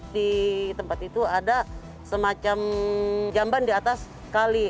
di tempat itu ada semacam jamban di atas kali